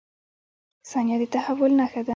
• ثانیه د تحول نښه ده.